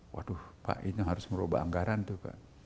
waduh pak ini harus merubah anggaran tuh pak